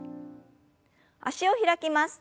脚を開きます。